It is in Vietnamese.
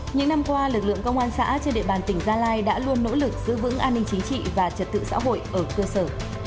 những năm qua lực lượng công an xã trên địa bàn tỉnh gia lai đã luôn nỗ lực giữ vững an ninh chính trị và trật tự xã hội ở cơ sở